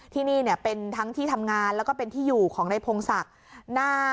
ที่นี่เป็นทั้งที่ทำงานแล้วก็เป็นที่อยู่ของนายพงศักดิ์